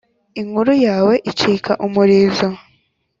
Inkuru yawe icika umurizo